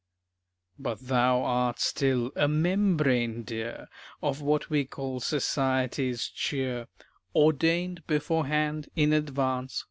But thou art still a "membrane" dear Of what we call society's cheer; "Ordained beforehand, in advance."